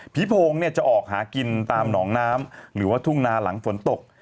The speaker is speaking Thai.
โพงจะออกหากินตามหนองน้ำหรือว่าทุ่งนาหลังฝนตก